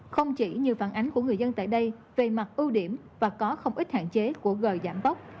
không chỉ như phản ánh của người dân tại đây về mặt ưu điểm và có không ít hạn chế của gờ giảm tốc